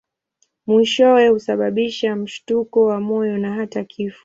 Mwishowe husababisha mshtuko wa moyo na hata kifo.